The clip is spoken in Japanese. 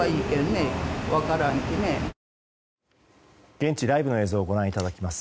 現地、ライブの映像をご覧いただいています。